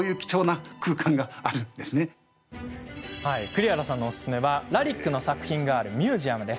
栗原さんのおすすめはラリックの作品があるミュージアム。